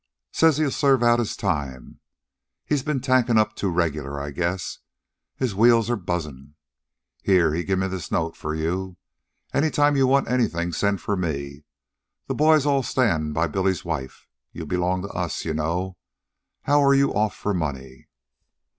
Says he'll serve the time out. He's been tankin' up too regular, I guess. His wheels are buzzin'. Here, he give me this note for you. Any time you want anything send for me. The boys'll all stand by Bill's wife. You belong to us, you know. How are you off for money?"